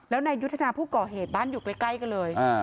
แล้วนายยุทธนาผู้ก่อเหตุบ้านอยู่ใกล้กันเลย